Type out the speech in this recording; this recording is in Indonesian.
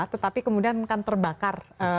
tetapi kemudian kan terbakar